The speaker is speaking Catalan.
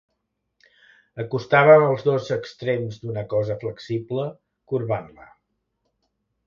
Acostàvem els dos extrems d'una cosa flexible corbant-la.